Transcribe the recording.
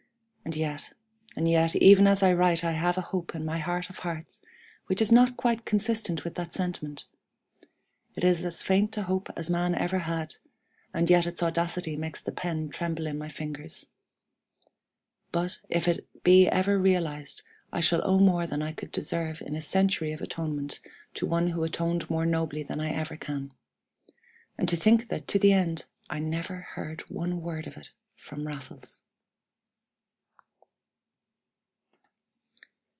And yet and yet even as I write I have a hope in my heart of hearts which is not quite consistent with that sentiment. It is as faint a hope as man ever had, and yet its audacity makes the pen tremble in my fingers. But, if it be ever realized, I shall owe more than I could deserve in a century of atonement to one who atoned more nobly than I ever can. And to think that to the end I never heard one word of it from Raffles!